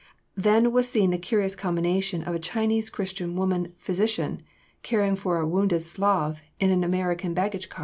Then was seen the curious combination of a Chinese Christian woman physician caring for a wounded Slav in an American baggage car!